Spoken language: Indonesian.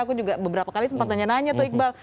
aku juga beberapa kali sempat nanya nanya tuh iqbal